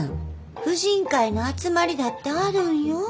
婦人会の集まりだってあるんよ。